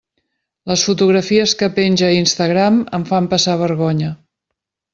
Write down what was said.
Les fotografies que penja a Instagram em fan passar vergonya.